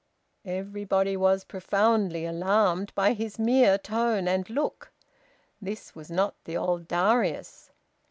Everybody was profoundly alarmed by his mere tone and look. This was not the old Darius.